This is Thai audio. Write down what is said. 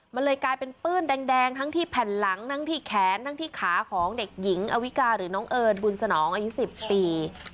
มันเลยกลายเป็นปื้นแดงแดงทั้งที่แผ่นหลังทั้งที่แขนทั้งที่ขาของเด็กหญิงอวิกาหรือน้องเอิญบุญสนองอายุสิบสี่